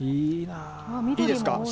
いいですか？